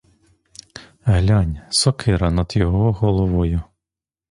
Глянь, сокира над його головою!